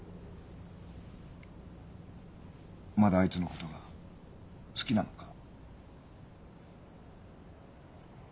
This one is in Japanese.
まだあいつのことが好きなのか？